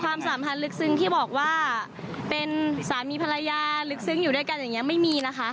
ความสัมพันธ์ลึกซึ้งที่บอกว่าเป็นสามีภรรยาลึกซึ้งอยู่ด้วยกันอย่างนี้ไม่มีนะคะ